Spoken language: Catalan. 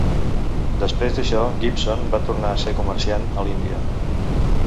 Després d'això, Gibson va tornar a ser comerciant a l'Índia.